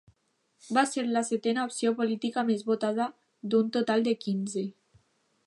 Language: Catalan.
Va ser la setena opció política més votada d'un total de quinze.